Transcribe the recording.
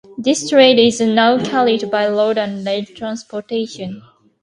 This trade is now carried by road and rail transportation.